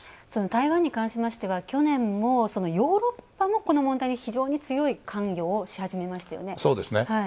その台湾に関しましては去年もヨーロッパもこの問題に非常に強い関与をし始めましたよね。